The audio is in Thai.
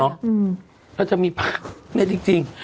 เนอะแล้วจะมีนี่จริง